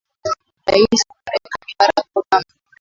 rais wa marekani barack obama